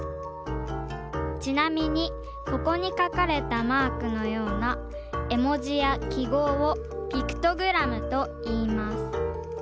ちなみにここにかかれたマークのようなえもじやきごうをピクトグラムといいます。